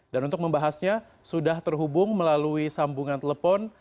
dan untuk membahasnya sudah terhubung melalui sambungan telepon